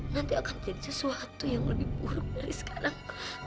nanti akan jadi sesuatu yang lebih buruk dari sekarang